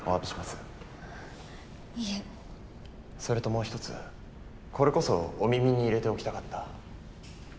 それともう一つこれこそお耳に入れておきたかった。